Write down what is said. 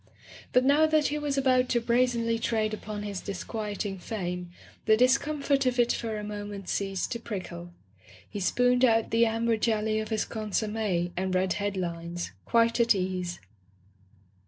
But now that he was about to brazenly trade upon his disquieting fame, the discomfort of it for a moment ceased to prickle. He spooned out the amber jelly of his consomme and read head lines, quite at ease.